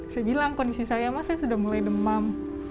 saya bilang kondisi saya mas saya sudah mulai demam